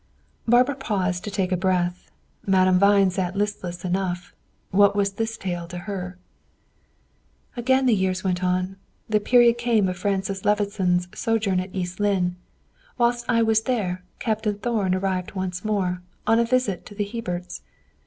Barbara paused to take breath, Madame Vine sat listless enough. What was this tale to her? "Again years went on. The period came of Francis Levison's sojourn at East Lynne. Whilst I was there, Captain Thorn arrived once more, on a visit to the Herberts.